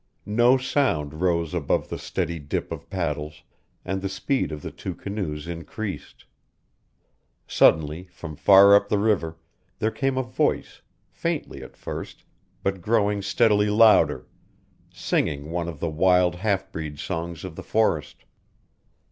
No sound rose above the steady dip of paddles, and the speed of the two canoes increased. Suddenly, from far up the river, there came a voice, faintly at first, but growing steadily louder, singing one of the wild half breed songs of the forest.